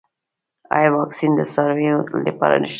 آیا واکسین د څارویو لپاره شته؟